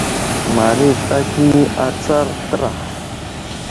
Maru i sla kəni atsar təra.